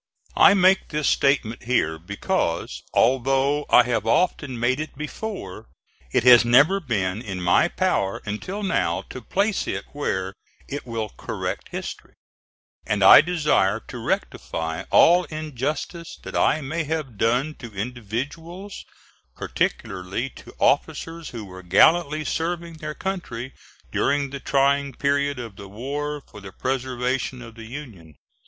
I make this statement here because, although I have often made it before, it has never been in my power until now to place it where it will correct history; and I desire to rectify all injustice that I may have done to individuals, particularly to officers who were gallantly serving their country during the trying period of the war for the preservation of the Union.